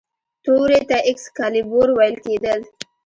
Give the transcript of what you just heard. تورې ته ایکس کالیبور ویل کیدل.